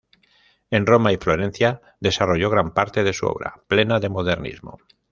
En Roma y Florencia desarrolló gran parte de su obra, plena de modernismo.